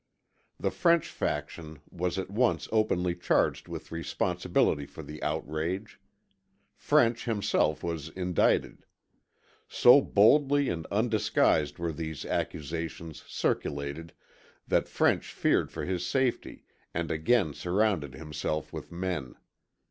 The French faction was at once openly charged with responsibility for the outrage. French himself was indicted. So boldly and undisguised were these accusations circulated that French feared for his safety and again surrounded himself with men.